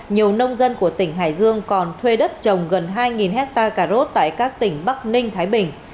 nhiều nông dân của tỉnh hải dương còn thuê đất trồng gần hai hectare cà rốt tại các tỉnh bắc ninh thái bình